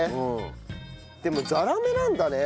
でもザラメなんだね。